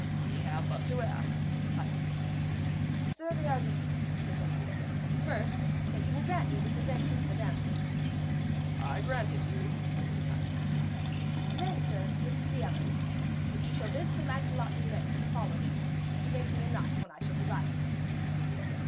'Ye have but to ask,' replied the king. 'Sir, they are these,' said Beaumains. 'First, that you will grant me this adventure of the damsel.' 'I grant it you,' said King Arthur. 'Then, sir, this is the other, that ye shall bid Sir Lancelot du Lake to follow me, and to make me a knight when I shall desire him.'